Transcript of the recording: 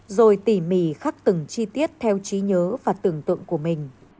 rồi tỉ mỉ khắc từng chi tiết theo trí nhớ và tưởng tượng của mình